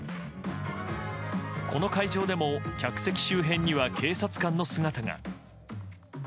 この会場でも客席周辺には警察官の姿が。